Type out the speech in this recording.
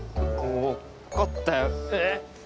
わかったよ。